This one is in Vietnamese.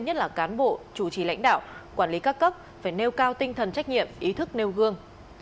nhất là cán bộ chủ trì lãnh đạo quản lý các cấp phải nêu cao tinh thần trách nhiệm ý thức nêu gương